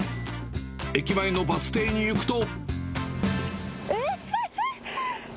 駅前のバス停に行くと。